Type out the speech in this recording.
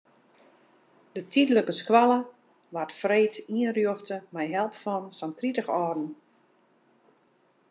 De tydlike skoalle waard freed ynrjochte mei help fan sa'n tritich âlden.